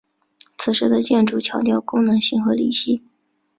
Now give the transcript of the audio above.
此时的建筑强调功能性和理性。